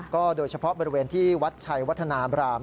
ก็โดยเฉพาะบริเวณที่วัดชัยวัฒนาบราม